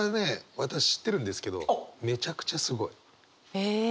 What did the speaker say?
私知ってるんですけどめちゃくちゃすごい。え。